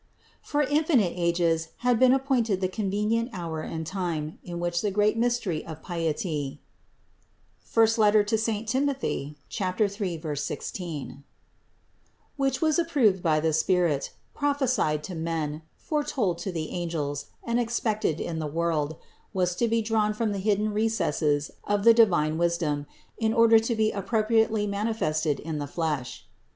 109. For infinite ages had been appointed the con venient hour and time, in which the great mystery of piety (I Tim. 3, 16), which was approved by the Spirit, prophesied to men, foretold to the angels, and expected in the world, was to be drawn from the hidden recesses of the divine wisdom in order to be appropriately mani fested in the flesh.